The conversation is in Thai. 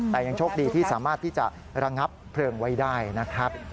แต่ยังโชคดีที่สามารถที่จะระงับเพลิงไว้ได้นะครับ